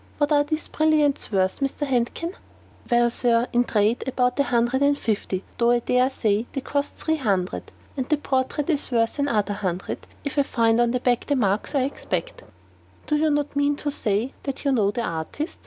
What are these brilliants worth, Mr. Handkin?" "Well, Sir, in the trade, about a hundred and fifty, though I dare say they cost three hundred. And the portrait is worth another hundred, if I find on the back the marks I expect." "You do not mean to say that you know the artist?"